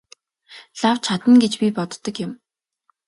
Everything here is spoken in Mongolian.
Лав чадна гэж би боддог юм.